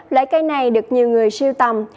loại cây này được nhiều người siêu tầm